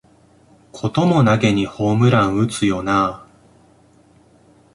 こともなげにホームラン打つよなあ